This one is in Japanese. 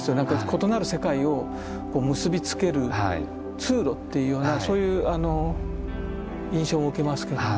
異なる世界を結び付ける通路っていうようなそういう印象を受けますけども。